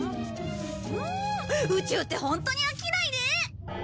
宇宙ってホントに飽きないね！